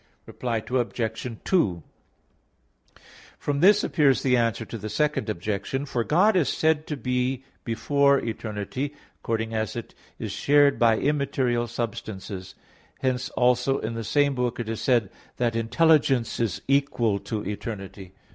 Reply Obj. 2: From this appears the answer to the Second Objection. For God is said to be before eternity, according as it is shared by immaterial substances. Hence, also, in the same book, it is said that "intelligence is equal to eternity."